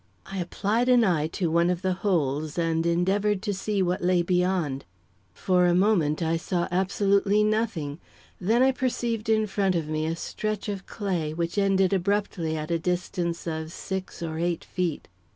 I applied an eye to one of the holes and endeavoured to see what lay beyond. For a moment, I saw absolutely nothing; then I perceived in front of me a stretch of clay, which ended abruptly at a distance of six or eight feet.